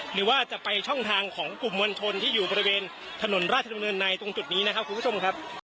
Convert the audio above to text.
หรือว่าจะไปช่องทางของกลุ่มมวลชนที่อยู่บริเวณถนนราชดำเนินในตรงจุดนี้นะครับคุณผู้ชมครับ